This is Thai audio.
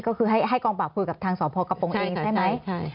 ก็คือให้กองปราบคุยกับทางสพกระโปรงเองใช่ไหม